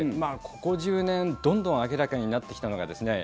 ここ１０年どんどん明らかになってきたのがですね